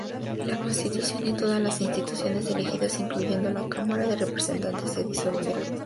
La constitución y todas las instituciones elegidas, incluyendo la Cámara de Representantes, se disolvieron.